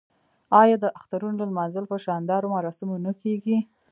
آیا د اخترونو لمانځل په شاندارو مراسمو نه کیږي؟